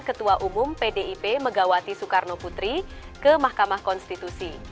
ketua umum pdip megawati soekarno putri ke mahkamah konstitusi